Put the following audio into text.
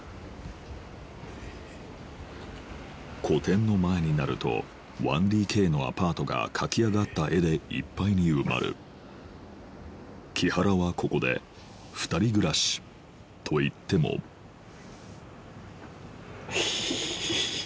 個展の前になると１ＤＫのアパートが描き上がった絵でいっぱいに埋まる木原はここで２人暮らしといってもヒヒヒ。